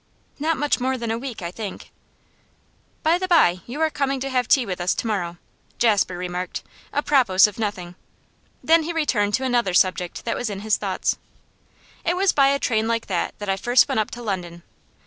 'Not much more than a week, I think.' 'By the bye, you are coming to have tea with us to morrow,' Jasper remarked a propos of nothing. Then he returned to another subject that was in his thoughts. 'It was by a train like that that I first went up to London.